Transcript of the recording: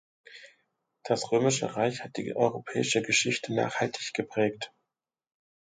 Das Römische Reich hat die europäische Geschichte nachhaltig geprägt.